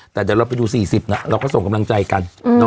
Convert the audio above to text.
แต่เดี๋ยวเราไปดู๔๐นะเราก็ส่งกำลังใจกัน